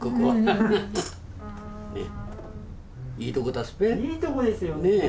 いいとこですよね